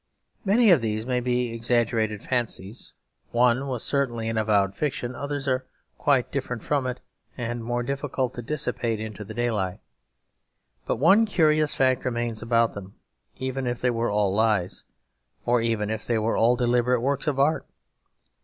Many of these may be exaggerated fancies, one was certainly an avowed fiction, others are quite different from it and more difficult to dissipate into the daylight. But one curious fact remains about them if they were all lies, or even if they were all deliberate works of art.